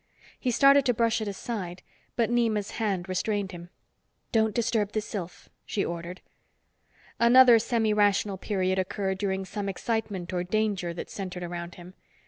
He started to brush it aside, but Nema's hand restrained him. "Don't disturb the sylph," she ordered. Another semirational period occurred during some excitement or danger that centered around him.